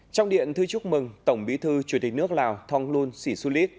trong điện thư chúc mừng tổng bí thư chủ tịch nước lào thông luân sĩ xu lít